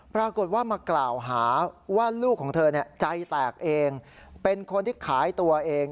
ปรากฏว่ามากล่าวหาว่าลูกของเธอใจแตกเองเป็นคนที่ขายตัวเอง